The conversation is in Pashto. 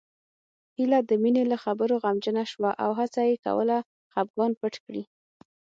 هيله د مينې له خبرو غمجنه شوه او هڅه يې کوله خپګان پټ کړي